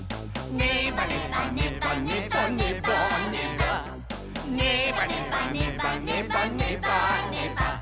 「ねばねばねばねばねばーねば」